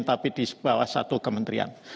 tapi di bawah satu kementerian